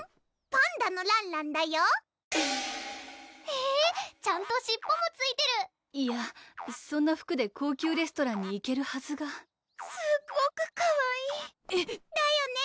パンダのらんらんだよへぇちゃんと尻尾もついてるいやそんな服で高級レストランに行けるはずがすっごくかわいいえっ⁉だよね